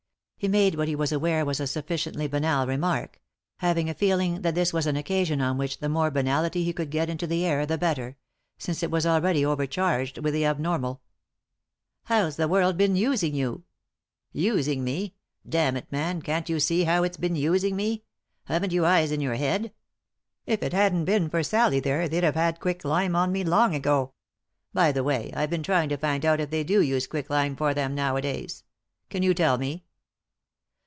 He made what he was aware was a sufficiently banal remark ; having a feeling that this was an occasion on which the more banality he could get into the air the better— since it was already overcharged with the abnormal. " How's the world been using you ?"" Using me ? Damn it, man, can't you see how it's been using me ? Haven't you eyes in your head ? If it hadn't been for Sallie there they'd have had quick lime on me long ago. By the way, I've been trying to find out if .they do use quicklime for them nowadays. Can you tell me